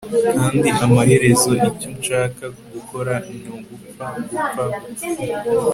kandi amaherezo icyo nshaka gukora ni ugupfa, gupfa, gupfa